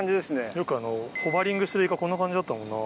よくホバリングしてるイカこんな感じだったもんな。